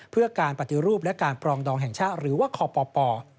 เพื่อการปฏิรูปและการปรองดองแห่งชาติหรือว่าคป